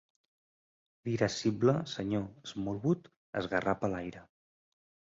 L'irascible Sr. Smallwood esgarrapa l'aire.